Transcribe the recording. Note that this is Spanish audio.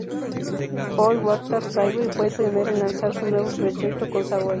Paul Waaktaar-Savoy fue el primero en lanzar su nuevo proyecto con Savoy.